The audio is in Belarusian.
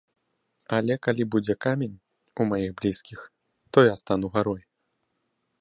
Але калі будзе камень у маіх блізкіх, то я стану гарой.